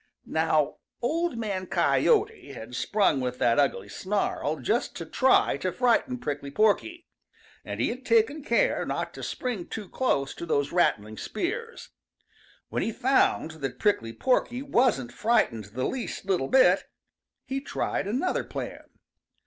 Now, Old Man Coyote had sprung with that ugly snarl just to try to frighten Prickly Porky, and he had taken care not to spring too close to those rattling spears. When he found that Prickly Porky wasn't frightened the least little bit, he tried another plan.